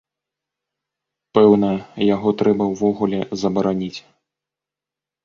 Пэўна, яго трэба ўвогуле забараніць.